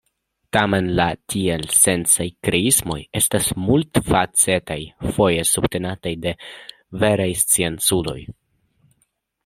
Tamen la tielsencaj kreismoj estas multfacetaj, foje subtenataj de veraj scienculoj.